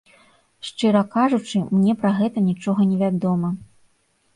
Шчыра кажучы, мне пра гэта нічога не вядома.